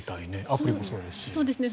アプリもそうですし。